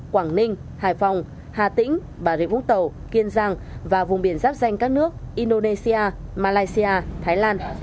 quảng ninh hải phòng hà tĩnh bà rịa vũng tàu kiên giang và vùng biển giáp danh các nước indonesia malaysia thái lan